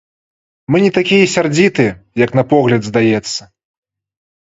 Мы не такія сярдзітыя, як на погляд здаецца.